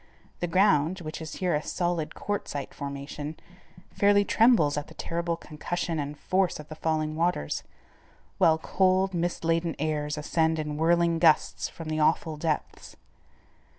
The ground, which is here a solid quartzite formation, fairly trembles at the terrible concussion and force of the falling waters, while cold, mist laden airs ascend in whirling gusts from the awful depths.